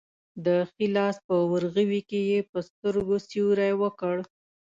د ښي لاس په ورغوي کې یې په سترګو سیوری وکړ.